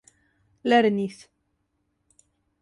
lernis